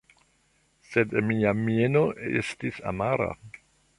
Sed mia mieno estis amara.